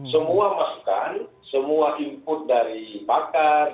semua masukan semua input dari pakar